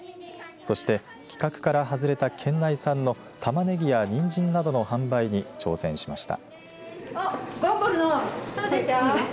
そして規格から外れた県内産のたまねぎやにんじんなどの販売に挑戦しました。